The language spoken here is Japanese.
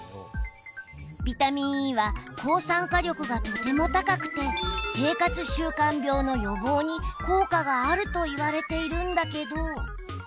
ビタミンＥには抗酸化力がとても高くて生活習慣病の予防に効果があるといわれているんだけど。